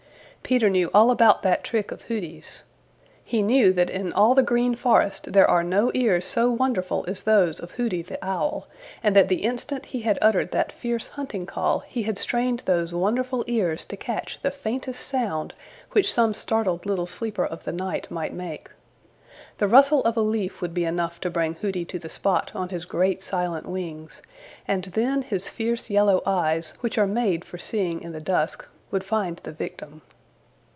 Peter knew all about that trick of Hooty's. He knew that in all the Green Forest there are no ears so wonderful as those of Hooty the Owl, and that the instant he had uttered that fierce hunting call he had strained those wonderful ears to catch the faintest sound which some startled little sleeper of the night might make. The rustle of a leaf would be enough to bring Hooty to the spot on his great silent wings, and then his fierce yellow eyes, which are made for seeing in the dusk, would find the victim.